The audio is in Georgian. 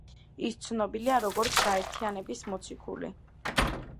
ის ცნობილია როგორც გაერთიანების მოციქული.